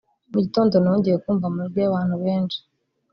Mu gitondo nongeye kumva amajwi y’abantu benshi cyane